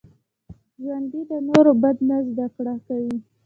ژوندي د نورو بد نه زده کړه کوي